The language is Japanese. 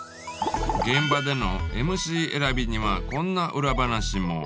現場でのＭＣ選びにはこんなウラ話も。